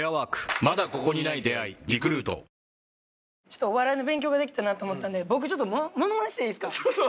ちょっとお笑いの勉強ができたなと思ったんで僕ちょっとモノマネしていいですか？